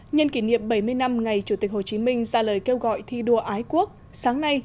nhân kỷ niệm bảy mươi năm ngày chủ tịch hồ chí minh ra lời kêu gọi thi đua ái quốc sáng nay